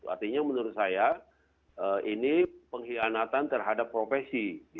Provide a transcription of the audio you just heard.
artinya menurut saya ini pengkhianatan terhadap profesi